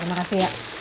terima kasih ya